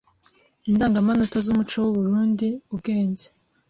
Indangamanota z’umuco w’u Burunndi Ubwenge